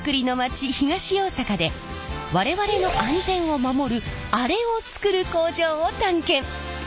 東大阪で我々の安全を守るアレを作る工場を探検！